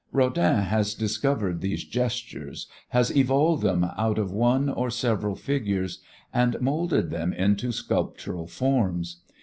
Rodin has discovered these gestures, has evolved them out of one or several figures and moulded them into sculptural forms.